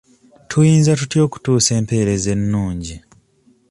Tuyinza tutya okutuusa empeereza ennungi?